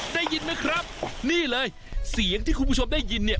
ได้ยินไหมครับนี่เลยเสียงที่คุณผู้ชมได้ยินเนี่ย